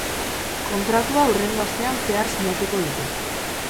Kontratua hurrengo astean zehar sinatuko dute.